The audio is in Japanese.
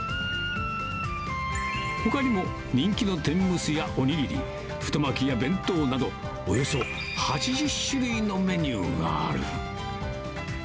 ほかにも、人気の天むすやお握り、太巻きや弁当など、およそ８０種類のメニューがある。